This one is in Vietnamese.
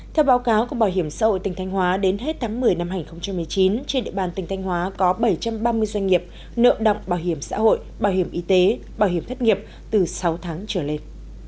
theo báo cáo của bảo hiểm xã hội tỉnh thanh hóa đến hết tháng một mươi năm hai nghìn một mươi chín trên địa bàn tỉnh thanh hóa có bảy trăm ba mươi doanh nghiệp nợ động bảo hiểm xã hội bảo hiểm y tế bảo hiểm thất nghiệp từ sáu tháng trở lên